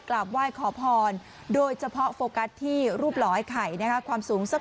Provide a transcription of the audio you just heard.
กราบไหว้ขอพรโดยเฉพาะโฟกัสที่รูปหล่อไอ้ไข่นะคะความสูงสัก